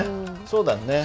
そうだね。